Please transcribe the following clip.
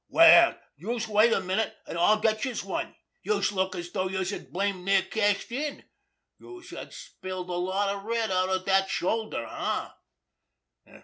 Well, youse wait a minute, an' I'll get youse one. Youse look as though youse had blamed near cashed in! Youse have spilled a lot of red out of dat shoulder, eh?"